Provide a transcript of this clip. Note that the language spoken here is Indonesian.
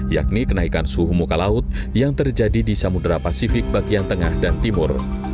yakni kenaikan suhu muka laut yang terjadi di samudera pasifik bagian tengah dan timur